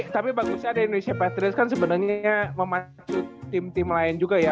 tapi bagusnya ada indonesia patriot kan sebenernya memacu tim tim lain juga ya